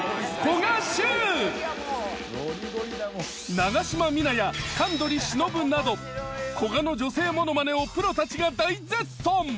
長島三奈や神取忍など古賀の女性ものまねをプロたちが大絶賛！